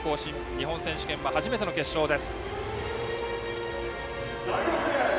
日本選手権は初めての決勝です。